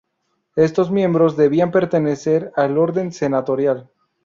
Estos miembros debían pertenecer al orden senatorial.